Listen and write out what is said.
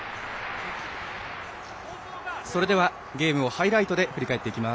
それではゲームをハイライトで振り返っていきます。